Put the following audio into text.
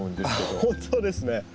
あっ本当ですね。